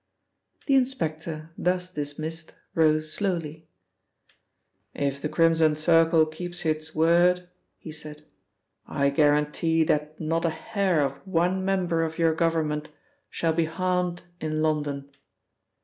The inspector, thus dismissed, rose slowly. "If the Crimson Circle keeps its word," he said, "I guarantee that not a hair of one member of your Government shall be harmed in London.